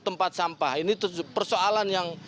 tempat sampah ini terus persoalan yang